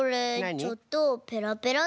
ちょっとペラペラだよね。